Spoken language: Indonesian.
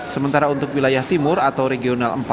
sementara untuk wilayah timur atau regional empat